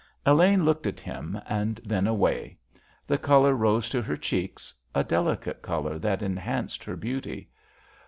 Elaine looked at him, and then away. The colour rose to her cheeks, a delicate colour that enhanced her beauty.